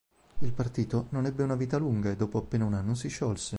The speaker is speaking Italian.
Il partito non ebbe una vita lunga e dopo appena un anno si sciolse.